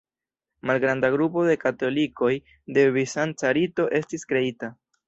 Malgranda grupo de katolikoj de bizanca rito estis kreita.